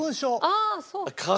ああそうか。